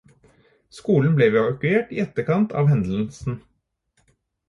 Skolen ble evakuert i etterkant av hendelsen.